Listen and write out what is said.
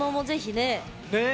ねえ！